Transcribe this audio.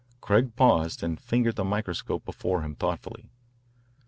Craig paused and fingered the microscope before him thoughtfully.